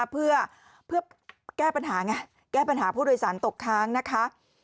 เพื่อแก้ปัญหาผู้โดยสารตกค้างนะคะ